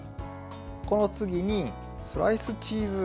この次にスライスチーズ。